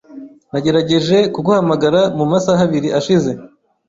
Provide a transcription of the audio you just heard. Nagerageje kuguhamagara mumasaha abiri ashize.